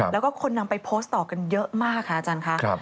แล้วก็คนนำไปโพสต์ต่อกันเยอะมากค่ะอาจารย์ค่ะ